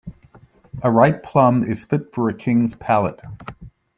A ripe plum is fit for a king's palate.